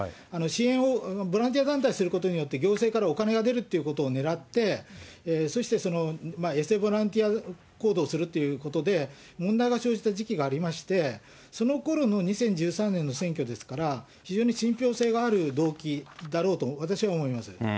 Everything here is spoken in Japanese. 支援を、ボランティア団体がすることによって、行政からお金が出るっていうことをねらって、そしてえせボランティア行動をするということで、問題が生じた時期がありまして、そのころの２０１３年の選挙ですから、非常に信ぴょう性がある動機だろうと、私は思います。